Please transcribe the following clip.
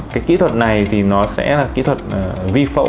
cái kỹ thuật này thì nó sẽ là kỹ thuật vi phẫu